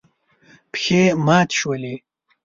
پښې ماتې شولې.